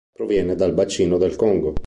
Proviene dal bacino del Congo.